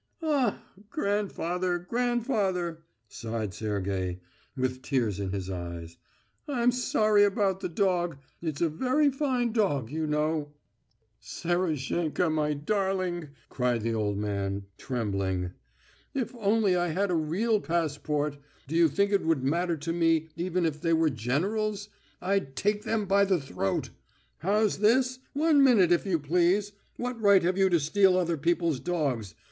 "Ah, grandfather, grandfather!" sighed Sergey, with tears in his eyes. "I'm sorry about the dog. It's a very fine dog, you know...." "Serozhenka, my darling," cried the old man trembling. "If only I had a real passport. Do you think it would matter to me even if they were generals? I'd take them by the throat!... How's this? One minute, if you please! What right have you to steal other people's dogs?